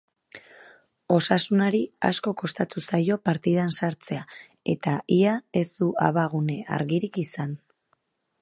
Osasunari asko kostatu zaio partidan sartzea eta ia ez du abagune argirik izan.